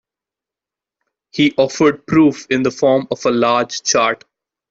He offered proof in the form of a large chart.